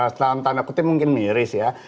dalam tanda kutip mungkin miris ya